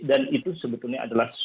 dan itu sebetulnya adalah masyarakat